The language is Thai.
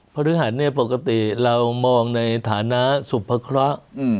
พฤหัสเนี่ยปกติเรามองในฐานะสุภเคราะห์